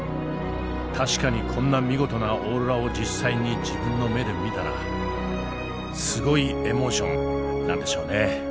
確かにこんな見事なオーロラを実際に自分の目で見たらすごいエモーションなんでしょうね。